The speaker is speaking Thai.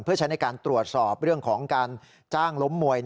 เพื่อใช้ในการตรวจสอบเรื่องของการจ้างล้มมวย